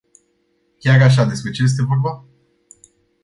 Chiar așa, despre ce este vorba?